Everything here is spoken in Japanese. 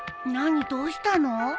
何どうしたの？